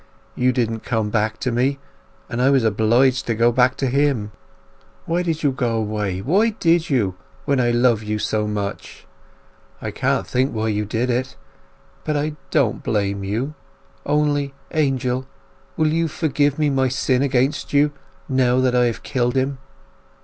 You didn't come back to me, and I was obliged to go back to him. Why did you go away—why did you—when I loved you so? I can't think why you did it. But I don't blame you; only, Angel, will you forgive me my sin against you, now I have killed him?